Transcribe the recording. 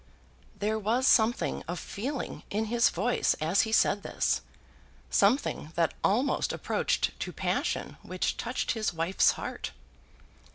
There was something of feeling in his voice as he said this, something that almost approached to passion which touched his wife's heart.